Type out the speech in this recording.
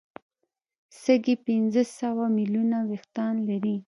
سږي پنځه سوه ملیونه وېښتان لري.